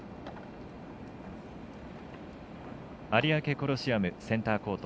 有明コロシアムセンターコート。